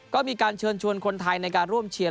ก็มีการเชิญชวนคนไทยในการร่วมเชียร์